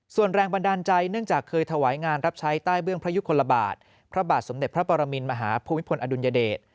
ส่วนแรงบันดาลใจเนื่องจากเคยถวายงานรับใช้ใต้เบื้องพระยุคลบาทพระบาทสมเด็จพระปรมินมหาภูมิพลอดุลยเดช